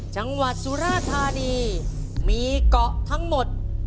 จังหวัดสุราธานีมีเกาะทั้งหมด